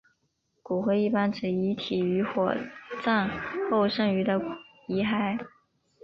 骨灰一般指遗体于火葬后所剩余的遗骸。